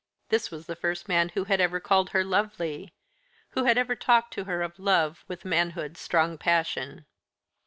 This was the first man who had ever called her lovely, who had ever talked to her of love with manhood's strong passion.